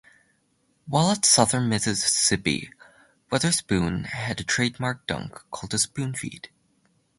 While at Southern Mississippi, Weatherspoon had a trademark dunk called the Spoon Feed.